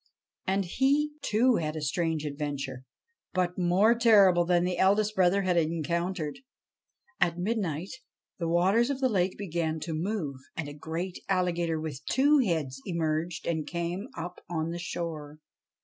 And he, too, had a strange adventure, but more terrible than that the eldest brother had encountered. At midnight the waters of the lake began to move, and a great alligator with two heads emerged and came up on the shore.